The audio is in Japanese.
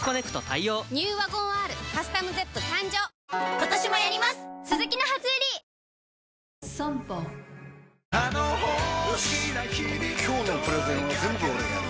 今日のプレゼンは全部俺がやる！